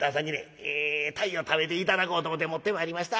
ええ鯛を食べて頂こうと思て持ってまいりました。